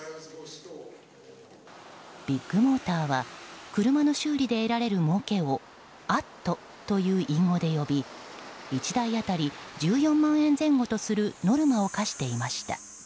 ビッグモーターは車の修理で得られるもうけを「＠」という隠語で呼び１台当たり１４万円前後とするノルマを課していました。